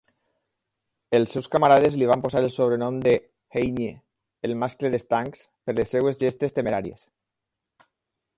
Els seus camarades li van posar el sobrenom de "Heinie el mascle dels tancs" per les seves gestes temeràries.